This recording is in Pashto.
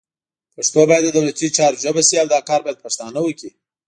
پښتو باید د دولتي چارو ژبه شي، او دا کار باید پښتانه وکړي